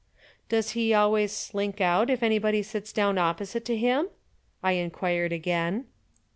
"Does he always slink out if anybody sits down opposite to him?" I inquired again.